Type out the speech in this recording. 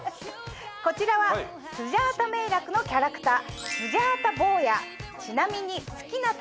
こちらはスジャータめいらくのキャラクター。